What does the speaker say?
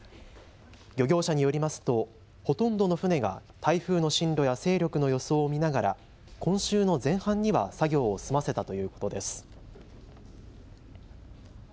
漁業者によりますとほとんどの船が台風の進路や勢力の予想を見ながら今週の前半には作業を済ませたということです。